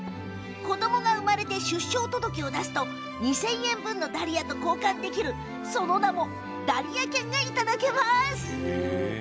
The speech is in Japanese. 子どもが生まれて出生届を出すと２０００円分のダリアと交換できるその名もダリア券がいただけます。